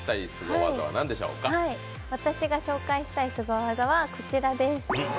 私が紹介したいすご技はこちらです。